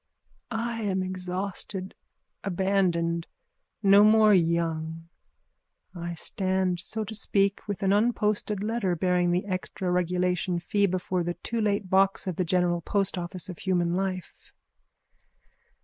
I am exhausted, abandoned, no more young. I stand, so to speak, with an unposted letter bearing the extra regulation fee before the too late box of the general postoffice of human life.